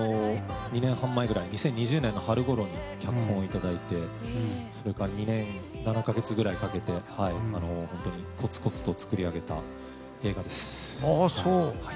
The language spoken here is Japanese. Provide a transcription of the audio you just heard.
２年半前ぐらい２０２０年の春ごろに脚本をいただいてそれから２年７か月くらいかけて本当にコツコツと作り上げた映画です。